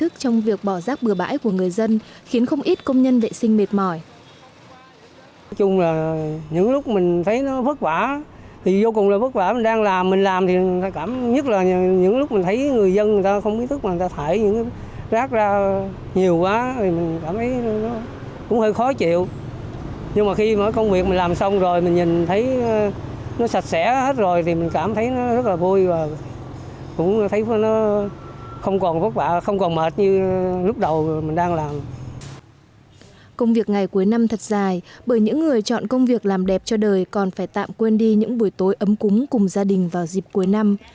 công việc ngày cuối năm thật dài bởi những người chọn công việc làm đẹp cho đời còn phải tạm quên đi những buổi tối ấm cúng cùng gia đình vào dịp cuối năm